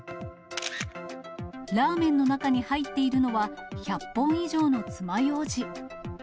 ラーメンの中に入っているのは、１００本以上のつまようじ。